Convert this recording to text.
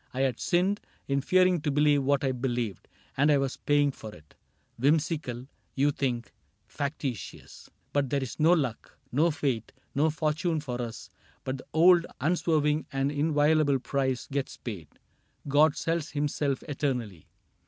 I had sinned In fearing to believe what I believed, And I was paying for it. — Whimsical, You think, — factitious ; but "there is no luck. No fate, no fortune for us, but the old Unswerving and inviolable price Gets paid : God sells himself eternally.